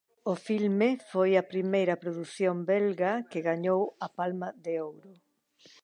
O filme foi a primeira produción belga que gañou a Palma de Ouro.